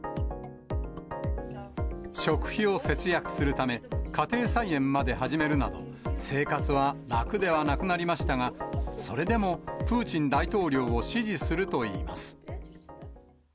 食費を節約するため、家庭菜園まで始めるなど、生活は楽ではなくなりましたが、それでもプーチン大統領を支持するといいます。